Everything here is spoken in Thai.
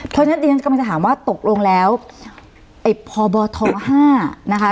เท่านั้นดินกำลังจะถามว่าตกลงแล้วพบ๕นะคะ